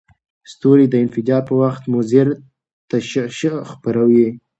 ستوري د انفجار پر وخت مضر تشعشع خپروي.